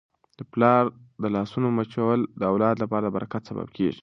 د پلار د لاسونو مچول د اولاد لپاره د برکت سبب کیږي.